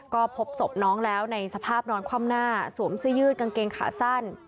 ก็พบศพน้องแล้วในสภาพนอนคว่ำหน้าสวมเสื้อยืดกางเกงขาสั้น